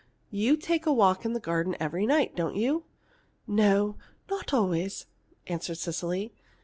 You take a walk in the garden every night, don't you?" "No, not always," answered Cecily.